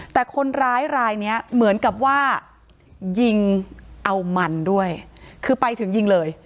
แต่คนร้ายรายนี้เหมือนกับว่ายิงเอามันด้วยคือไปถึงยิงเลย